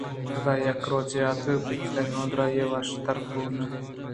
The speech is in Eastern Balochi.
پدا یک روچے اتک کہ پت ءِ نادُرٛاہی وش تر بوٛان بوت